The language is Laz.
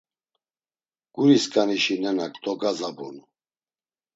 Gurisǩanişi nenak dogozabunu.